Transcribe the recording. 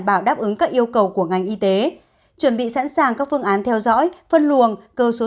bảo đáp ứng các yêu cầu của ngành y tế chuẩn bị sẵn sàng các phương án theo dõi phân luồng cơ số